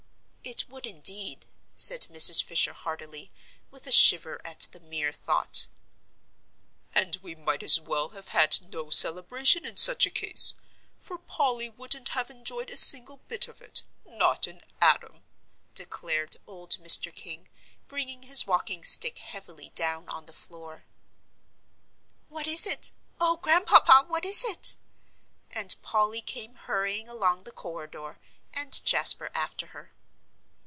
"It would, indeed," said Mrs. Fisher, heartily, with a shiver at the mere thought. "And we might as well have had no celebration in such a case, for Polly wouldn't have enjoyed a single bit of it not an atom!" declared old Mr. King, bringing his walking stick heavily down on the floor. "What is it oh, Grandpapa, what is it?" and Polly came hurrying along the corridor, and Jasper after her.